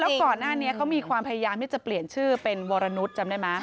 แล้วก่อนหน้านี้เขามีความพยายามที่จะเปลี่ยนชื่อเป็นวรนุษย์จำได้ไหม